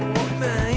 mas mbak udah pulang